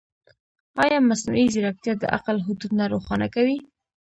ایا مصنوعي ځیرکتیا د عقل حدود نه روښانه کوي؟